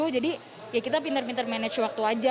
jadi ya kita pinter pinter manajer waktu aja